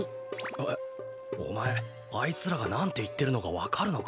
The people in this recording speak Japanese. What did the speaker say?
えおまえあいつらがなんていってるのかわかるのか？